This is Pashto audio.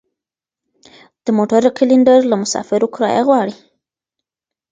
د موټر کلینډر له مسافرو کرایه غواړي.